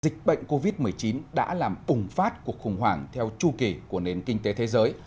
dịch bệnh covid một mươi chín đã làm ủng phát cuộc khủng hoảng theo chu kỳ của nền kinh tế thế giới